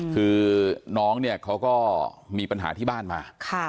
คือน้องเนี่ยเขาก็มีปัญหาที่บ้านมา